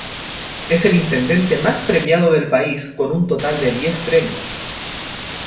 Es el intendente más premiado del país con un total de diez premios.